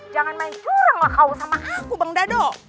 jangan main curang lah kau sama aku bang dado